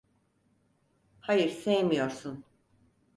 Hayır, sevmiyorsun.